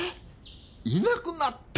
いなくなった？